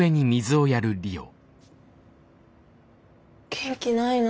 元気ないな。